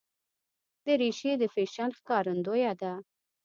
دریشي د فیشن ښکارندویه ده.